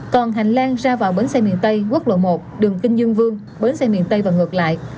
còn hành lang ra vào bến xe miền tây quốc lộ một đường kinh dương vương bến xe miền tây và ngược lại